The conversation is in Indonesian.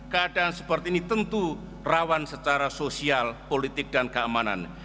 keadaan seperti ini tentu rawan secara sosial politik dan keamanan